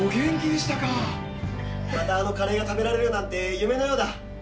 またあのカレーが食べられるなんて夢のようだ。